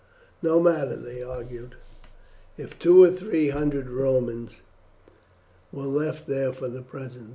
What matter, they argued, if two or three hundred Romans were left there for the present?